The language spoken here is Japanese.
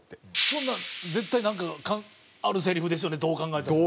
そんなん絶対なんかあるセリフですよねどう考えても。